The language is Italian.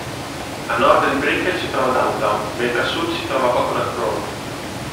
A nord di Brickell si trova Downtown, mentre a sud si trova Coconut Grove.